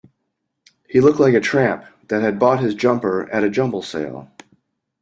He looked like a tramp that had bought his jumper at a jumble sale